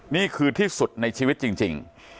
นี่คือที่สุดในชีวิตจริง